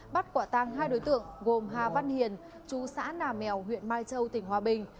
bắt quả tăng hai đối tượng gồm hà văn hiền chú xã nà mèo huyện mai châu tỉnh hòa bình